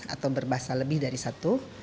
atau berbahasa lebih dari satu